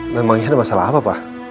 memangnya ada masalah apa pak